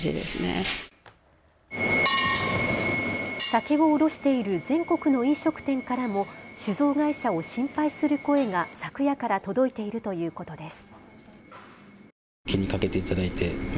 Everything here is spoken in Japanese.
酒を卸している全国の飲食店からも酒造会社を心配する声が昨夜から届いているということです。